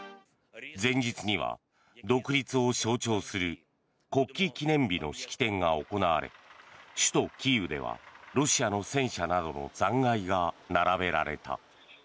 前日には独立を象徴する国旗記念日の式典が行われ首都キーウではロシアの戦車などの残骸が並べられた。